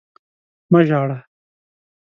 مه ژاړه!